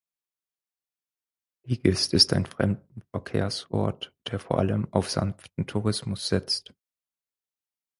Ligist ist ein Fremdenverkehrsort der vor allem auf sanften Tourismus setzt.